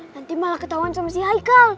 nanti malah ketahuan sama si haikal